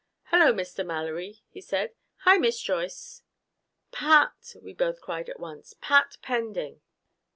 "Hello, Mr. Mallory," he said. "Hi, Miss Joyce." "Pat!" we both cried at once. "Pat Pending!"